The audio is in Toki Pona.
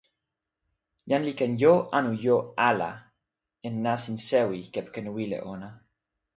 jan li ken jo anu jo ala e nasin sewi kepeken wile ona.